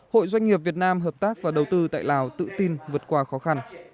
hội doanh nghiệp việt nam hợp tác và đầu tư tại lào tự tin vượt qua khó khăn